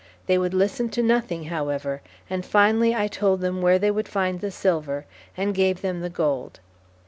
They would listen to nothing, however, and finally I told them where they would find the silver, and gave them the gold.